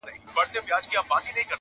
چي د چا پر سر كښېني دوى يې پاچا كي-